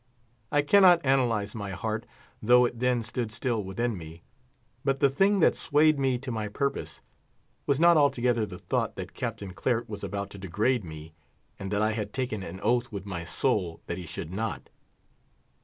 I cannot analyse my heart, though it then stood still within me. But the thing that swayed me to my purpose was not altogether the thought that Captain Claret was about to degrade me, and that I had taken an oath with my soul that he should not.